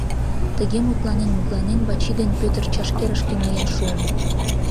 Тыге мутланен-мутланен, Вачий ден Пӧтыр чашкерышке миен шуын.